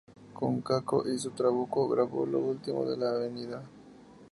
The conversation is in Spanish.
Con Kako y su trabuco grabó "Lo último en la avenida".